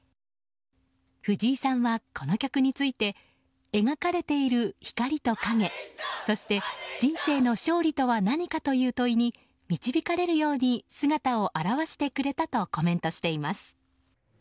藤井さんは、この曲について描かれている光と影そして人生の勝利とは何かという問いに導かれるように姿を現してくれたとコメントしています。